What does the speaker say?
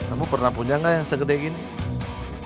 hai kamu pernah punya enggak yang segede gini